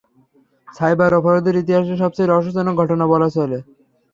সাইবার-অপরাধের ইতিহাসে সবচেয়ে রহস্যজনক ঘটনা বলা চলে।